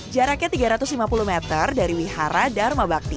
jaraknya tiga ratus lima puluh meter dari wihara dharma bakti